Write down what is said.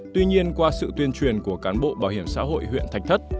tuy nhiên qua sự tuyên truyền của cán bộ bảo hiểm xã hội huyện thạch thất